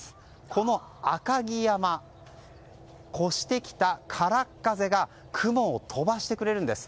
この赤城山、越してきた空っ風が雲を飛ばしてくれるんです。